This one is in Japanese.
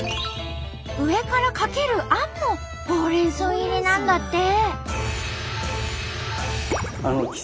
上からかけるあんもほうれん草入りなんだって。